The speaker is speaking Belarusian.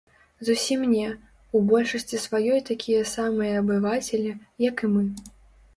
Зусім не, у большасці сваёй такія самыя абывацелі, як і мы.